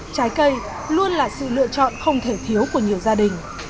trái cây luôn là sự lựa chọn không thể thiếu của nhiều gia đình